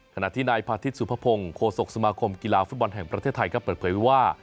ขณะที่นายพาทิตยสุภพงศ์โคศกสมาคมกีฬาฟุตบอลแห่งประเทศไทยก็เปิดเผยว่า